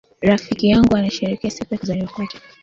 Rafiki yangu anasherehekea siku ya kuzaliwa kwake.